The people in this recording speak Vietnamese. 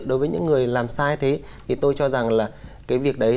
đối với những người làm sai thế thì tôi cho rằng là cái việc đấy